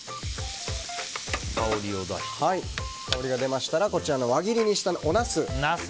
香りが出ましたら輪切りにした、おナス。